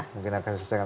mungkin akan diselesaikan